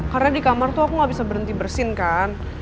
karena di kamar tuh aku gak bisa berhenti bersin kan